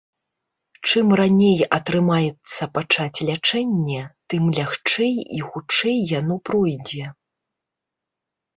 Чым раней атрымаецца пачаць лячэнне, тым лягчэй і хутчэй яно пройдзе.